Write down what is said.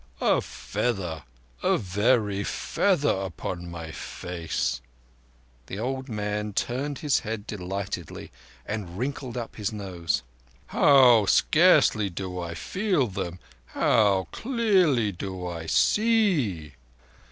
"A feather! A very feather upon the face." The old man turned his head delightedly and wrinkled up his nose. "How scarcely do I feel them! How clearly do I see!"